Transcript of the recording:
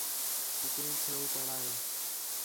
کُکڑیک کھڑ وتڑا ہے